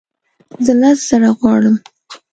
زه لس زره غواړم